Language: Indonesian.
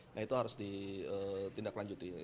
nah itu harus ditindak lanjut